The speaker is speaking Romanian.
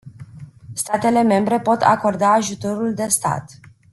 Statele membre pot acorda ajutorul de stat.